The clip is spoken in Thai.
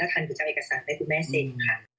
ถ้าทันคุณเจ้าเอกสารได้คุณแม่เซ็นค่ะ